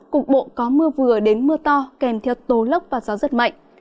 cục bộ có mưa vừa đến mưa to kèm theo tố lốc và gió rất mạnh